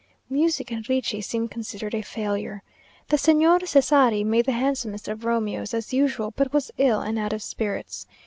Music and Ricci seem considered a failure. The Señora Cesari made the handsomest of Romeos, as usual, but was ill, and out of spirits.